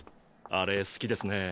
あれ好きですね。